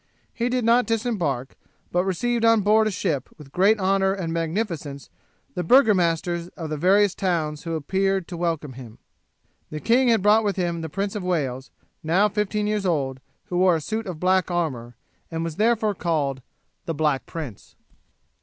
He did not disembark, but received on board a ship with great honour and magnificence the burgomasters of the various towns who appeared to welcome him. The king had brought with him the Prince of Wales, now fifteen years old, who wore a suit of black armour, and was therefore called "the Black Prince."